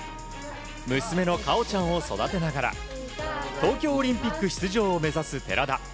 娘の果緒ちゃんを育てながら東京オリンピック出場を目指す寺田。